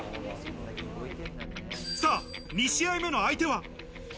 ２試合目の相手は？